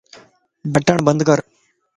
بٽڻ بند کر